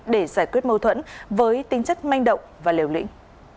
để giải quyết mâu thuẫn với tính chất manh động và liều lĩnh